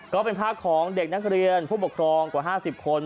ก็เป็นภาพของเด็กนักเรียนผู้ปกครองกว่า๕๐คน